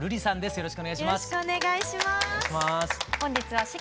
よろしくお願いします。